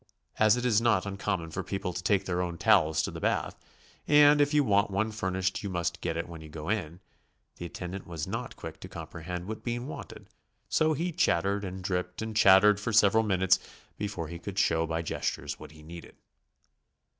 As it is not uncommon for people to take their own towels to the bath, and if you want one fur nished you must get it when you go in, the attendant was not quick to comprehend what Bean wanted, so he chattered and dripped and chattered for several minutes before he could show by gestures what he needed.